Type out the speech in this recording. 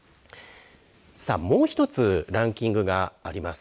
さあ、もう一つランキングがあります。